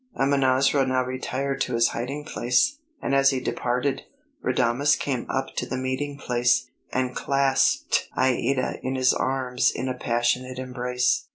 Amonasro now retired to his hiding place; and as he departed, Radames came up to the meeting place, and clasped Aïda in his arms in a passionate embrace.